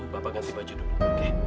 bapak ganti baju dulu oke